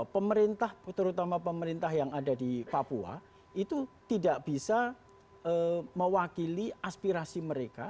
pemerintah terutama pemerintah yang ada di papua itu tidak bisa mewakili aspirasi mereka